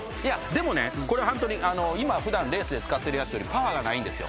でもね普段レースで使ってるやつよりパワーがないんですよ。